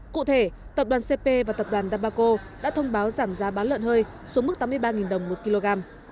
cụ thể tập đoàn cp và tập đoàn dabaco đã thông báo giảm giá bán lợn hơi xuống mức tám mươi ba đồng một kg